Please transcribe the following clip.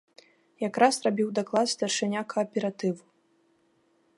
Якраз рабіў даклад старшыня кааператыву.